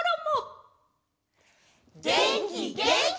げんきげんき！